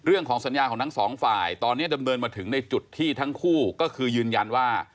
เรื่องของสัญญาของทั้งสองฝ่ายตอนนี้ดำเนินมาถึงในจุดที่ทั้งคู่ก็คือยืนยันว่า